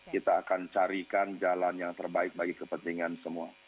kita akan carikan jalan yang terbaik bagi kepentingan semua